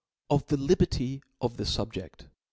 Of the Liberty of the Suhje^.